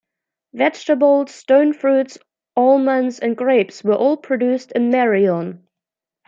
Vegetables, stone fruits, almonds and grapes were all produced in Marion.